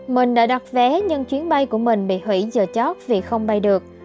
mình đã đặt vé nhưng chuyến bay của mình bị hủy giờ chót vì không bay được